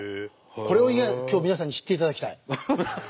これを今日皆さんに知っていただきたい。